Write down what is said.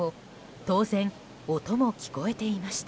当然、音も聞こえていました。